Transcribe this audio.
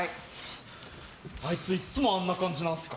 あいついつもあんな感じなんすか？